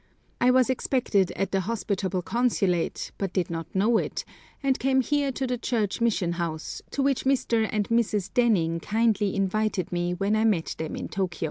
I was expected at the hospitable Consulate, but did not know it, and came here to the Church Mission House, to which Mr. and Mrs. Dening kindly invited me when I met them in Tôkiyô.